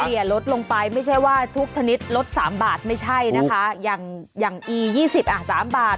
ก็จะเหลี่ยลดลงไปไม่ใช่ว่าทุกชนิดลด๓บาทไม่ใช่นะคะอย่างอี๒๐อ่ะ๓บาท